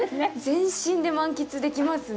全身で満喫できますね。